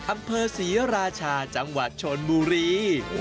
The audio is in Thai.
อำเภอศรีราชาจังหวัดชนบุรี